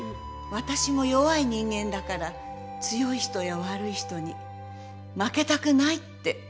私も弱い人間だから強い人や悪い人に負けたくないって思ってるの。